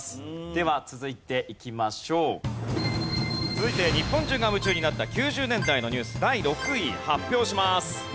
続いて日本中が夢中になった９０年代のニュース第６位発表します。